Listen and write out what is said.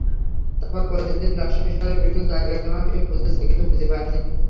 তারপর প্রতিদিন রাজশাহী শহরের বিভিন্ন জায়গায় তোমাকে খুঁজেছি, কিন্তু খুঁজে পাইনি।